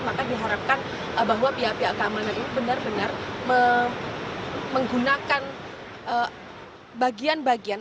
maka diharapkan bahwa pihak pihak keamanan ini benar benar menggunakan bagian bagian